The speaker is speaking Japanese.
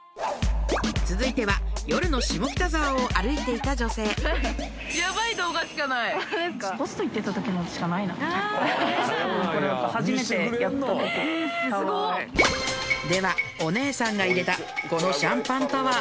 続いては夜の下北沢を歩いていた女性ではお姉さんが入れたこのシャンパンタワー